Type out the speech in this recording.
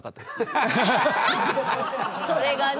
それがね。